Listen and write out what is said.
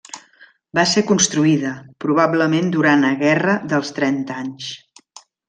Va ser construïda, probablement durant a guerra dels trenta anys.